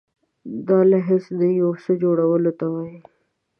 دا له هیڅ نه یو څه جوړولو ته وایي.